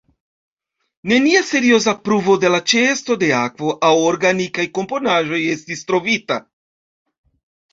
Nenia serioza pruvo de la ĉeesto de akvo aŭ organikaj komponaĵoj estis trovita.